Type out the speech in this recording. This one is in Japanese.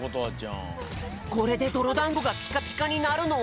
これでどろだんごがピカピカになるの？